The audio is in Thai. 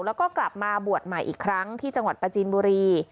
แล้วก็กลับมาบวชใหม่อีกครั้งที่จังหวัดประจีนบุรี